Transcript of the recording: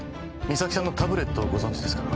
実咲さんのタブレットをご存じですか？